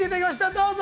どうぞ！